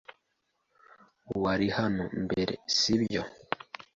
Wari hano mbere, si byo?